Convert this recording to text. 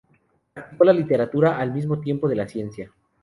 Practicó la literatura al mismo tiempo de la ciencia.